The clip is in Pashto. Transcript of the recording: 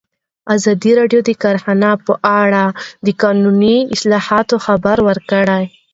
ازادي راډیو د کرهنه په اړه د قانوني اصلاحاتو خبر ورکړی.